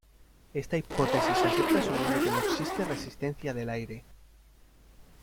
Esta hipótesis se acepta asumiendo que no existe resistencia del aire.